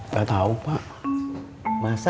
gak tau pak